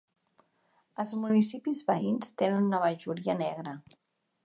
Els municipis veïns tenen una majoria negra.